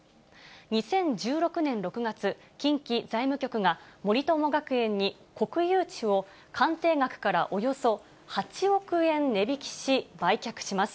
２０１６年６月、近畿財務局が、森友学園に国有地を、鑑定額からおよそ８億円値引きし売却します。